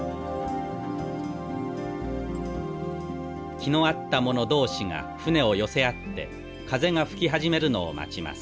気の合った者同士が船を寄せ合って風が吹き始めるのを待ちます。